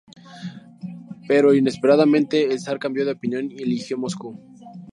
Pero inesperadamente el Zar cambió de opinión y eligió Moscú.